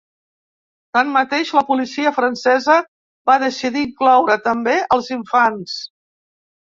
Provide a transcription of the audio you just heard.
Tanmateix, la policia francesa va decidir incloure també als infants.